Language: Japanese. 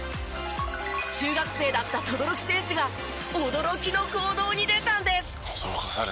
中学生だった轟選手が驚きの行動に出たんです！